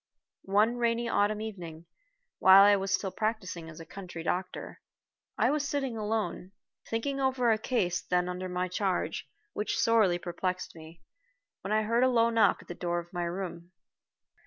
One rainy autumn evening, while I was still practicing as a country doctor, I was sitting alone, thinking over a case then under my charge, which sorely perplexed me, when I heard a low knock at the door of my room.